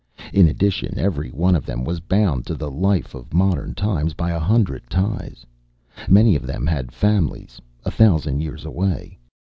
In addition, every one of them was bound to the life of modern times by a hundred ties. Many of them had families, a thousand years away.